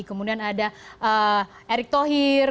kemudian ada erick thohir